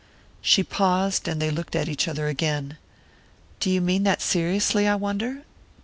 She paused, and they looked at each other again. "Do you mean that seriously, I wonder?